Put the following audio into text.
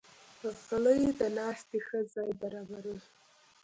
غلۍ د ناستې ښه ځای برابروي.